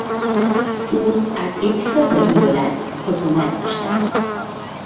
او از ابتدا با این دولت خصومت داشته است.